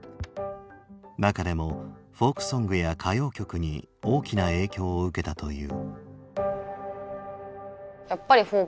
中でもフォークソングや歌謡曲に大きな影響を受けたという。